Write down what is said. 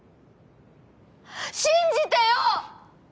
信じてよ！